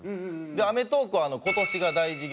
『アメトーーク』は今年が大事芸人以来。